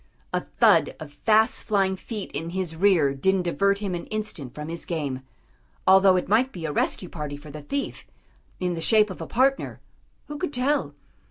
A thud of fast flying feet in his rear didn't divert him an instant from his game, although it might be a rescue party for the thief, in the shape of a partner, who could tell?